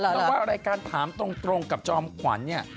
เพราะว่ารายการถามตรงกับจอมขวัญเนี่ย